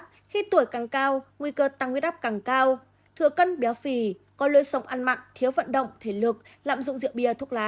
trong khi tuổi càng cao nguy cơ tăng huyết áp càng cao thừa cân béo phì có lối sống ăn mặn thiếu vận động thể lực lạm dụng rượu bia thuốc lá